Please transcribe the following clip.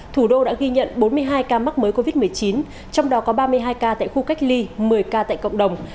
thủ đô đã ghi nhận bốn mươi hai ca mắc mới covid một mươi chín trong đó có ba mươi hai ca tại khu cách ly một mươi ca tại cộng đồng